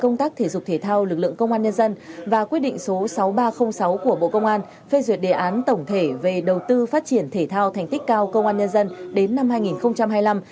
công tác thể dục thể thao lực lượng công an nhân dân và quyết định số sáu nghìn ba trăm linh sáu của bộ công an phê duyệt đề án tổng thể về đầu tư phát triển thể thao thành tích cao công an nhân dân đến năm hai nghìn hai mươi năm